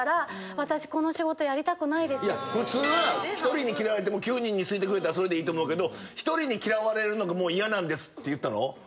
いや普通なら１人に嫌われても９人に好いてくれたらそれでいいと思うけど１人に嫌われるのがもう嫌なんですって言ったの？